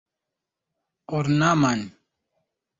ornaman